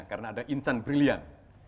karena ada insan brilian